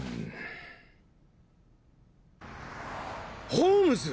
ホームズ！